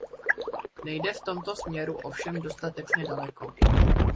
Nejde v tomto směru ovšem dostatečně daleko.